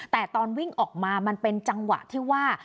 แต่ตอนวิ่งออกมามันเป็นจังหวะที่ว่า